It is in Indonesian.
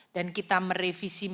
dan kita merevisi